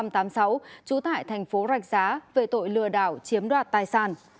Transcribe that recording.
trú tại thành phố rạch giá về tội lừa đảo chiếm đoạt tài sản